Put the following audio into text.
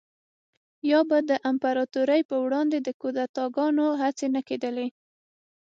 یا به د امپراتورۍ پروړاندې د کودتاګانو هڅې نه کېدلې